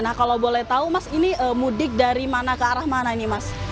nah kalau boleh tahu mas ini mudik dari mana ke arah mana ini mas